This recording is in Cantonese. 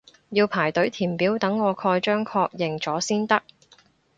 要排隊填表等我蓋章確認咗先得